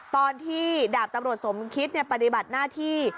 ตอนที่ดาบตำรวจสมคิดปฏิบัติหน้าที่